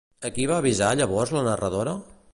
A qui va avisar llavors la narradora?